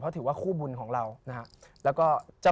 พระพุทธพิบูรณ์ท่านาภิรม